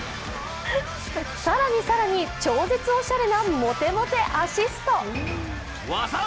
更に更に、超絶おしゃれなモテモテアシスト。